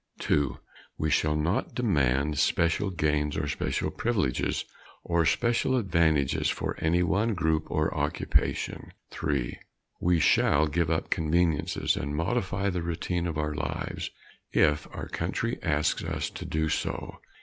2. We shall not demand special gains or special privileges or special advantages for any one group or occupation. 3. We shall give up conveniences and modify the routine of our lives if our country asks us to do so.